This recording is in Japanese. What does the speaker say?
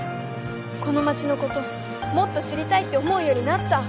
この街のこともっと知りたいって思うようになった。